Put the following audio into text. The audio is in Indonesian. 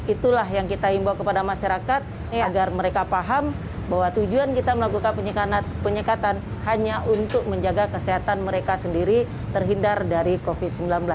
itulah yang kita himbau kepada masyarakat agar mereka paham bahwa tujuan kita melakukan penyekatan hanya untuk menjaga kesehatan mereka sendiri terhindar dari covid sembilan belas